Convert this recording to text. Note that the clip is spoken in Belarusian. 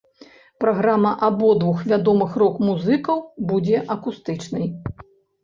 Праграма абодвух вядомых рок-музыкаў будзе акустычнай.